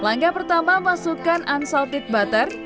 langkah pertama masukkan unsulted butter